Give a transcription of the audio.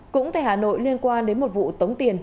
cũng tại hà nội liên quan đến một vụ tống tiền